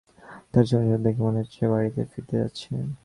তার চঞ্চলতা দেখে মনে হচ্ছে বাড়িতে ফিরতে চাচ্ছে।